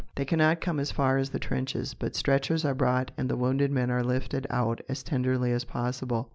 They cannot come as far as the trenches, but stretchers are brought and the wounded men are lifted out as tenderly as possible.